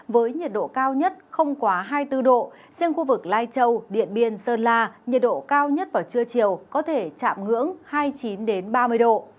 với nhiệt độ cao nhất không quá hai mươi bốn độ riêng khu vực lai châu điện biên sơn la nhiệt độ cao nhất vào trưa chiều có thể chạm ngưỡng hai mươi chín ba mươi độ